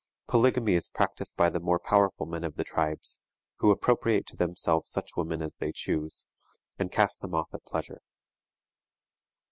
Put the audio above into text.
Polygamy is practiced by the more powerful men of the tribes, who appropriate to themselves such women as they choose, and cast them off at pleasure.